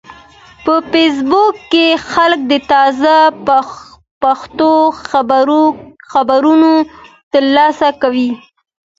په فېسبوک کې خلک د تازه پیښو خبرونه ترلاسه کوي